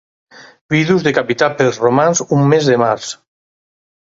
Vidus decapitat pels romans un mes de març.